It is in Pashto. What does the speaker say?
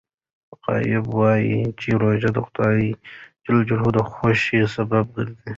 غابي وايي چې روژه د خدای د خوښۍ سبب ګرځي.